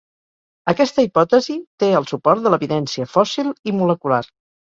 Aquesta hipòtesi té el suport de l'evidència fòssil i molecular.